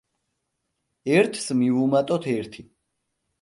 ერთს მივუმატოთ ერთი.